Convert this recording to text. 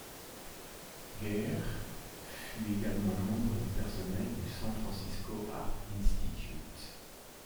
Gehr fut également membre du personnel du San Francisco Art Institute.